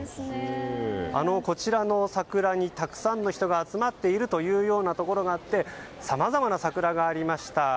こちらの桜に、たくさんの人が集まっているところがあってさまざまな桜がありました。